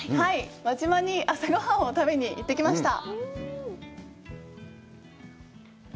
輪島に朝ごはんを食べに行ってきました。